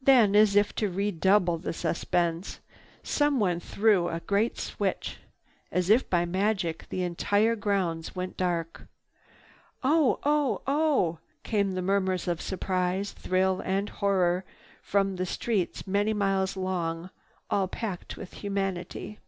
Then, as if to redouble the suspense, someone threw a great switch. As if by magic, the entire grounds went dark. "Oh! Oh! Oh!" came the murmurs of surprise, thrill and horror, from the streets many miles long, all packed with humanity.